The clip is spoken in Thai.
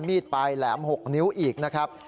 มีดปลายแหลม๖นิ้วอีกนะครับ